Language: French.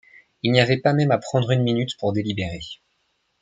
Il n’y avait pas même à prendre une minute pour délibérer.